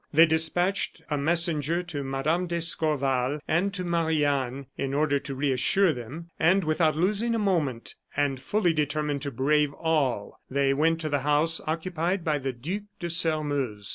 They despatched a messenger to Mme. d'Escorval and to Marie Anne, in order to reassure them, and, without losing a moment, and fully determined to brave all, they went to the house occupied by the Duc de Sairmeuse.